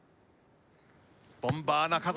ボンバー中澤。